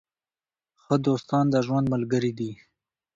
ښه دوستان د ژوند ملګري دي.